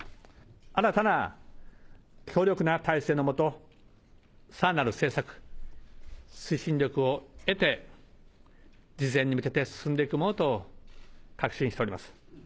新たな強力な体制の下、さらなる政策推進力を得て、実現に向けて進んでいくものと確信しております。